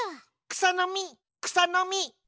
くさのみくさのみ！